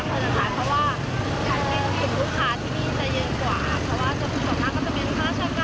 การเป็นผู้ค้าที่นี่จะเย็นกว่า